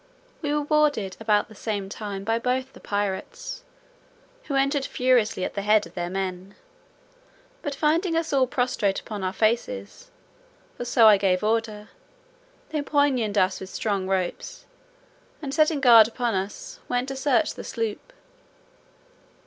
We were boarded about the same time by both the pirates, who entered furiously at the head of their men; but finding us all prostrate upon our faces (for so I gave order), they pinioned us with strong ropes, and setting guard upon us, went to search the sloop.